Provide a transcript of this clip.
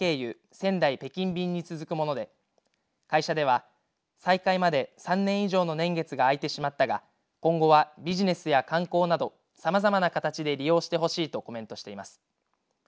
仙台北京便に続くもので会社では再開まで３年以上の年月が空いてしまったが今後はビジネスや観光などさまざまな形で利用してほしいとコメントしています。